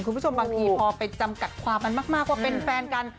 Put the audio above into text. บางทีพอไปจำกัดความมันมากว่าเป็นแฟนกัน